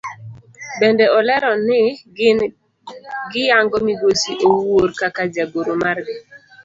Bende olero ni gin giyango migosi Owuor kaka jagoro margi.